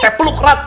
saya peluk rat